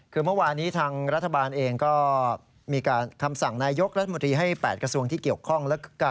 คือเมื่อวานี้ทางรัฐบาลเองก็มีการคำสั่งนายกรัฐมนตรีให้๘กระทรวงที่เกี่ยวข้อง